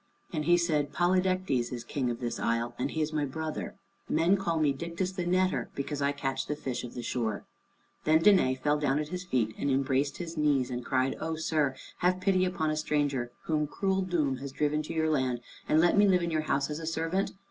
And he said, "Polydectes is King of this isle, and he is my brother. Men call me Dictys the Netter, because I catch the fish of the shore." Then Danæ fell down at his feet and embraced his knees and cried, "O Sir, have pity upon a stranger, whom cruel doom has driven to your land, and let me live in your house as a servant.